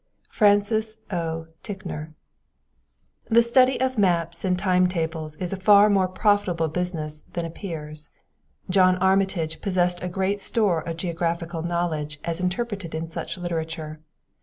Francis O. Ticknor. The study of maps and time tables is a far more profitable business than appears. John Armitage possessed a great store of geographical knowledge as interpreted in such literature.